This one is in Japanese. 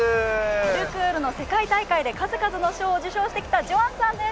パルクールの世界大会で数々の賞を受賞されてきたジョアンさんです。